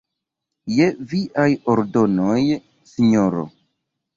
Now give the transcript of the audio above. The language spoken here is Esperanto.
Je viaj ordonoj, sinjoro.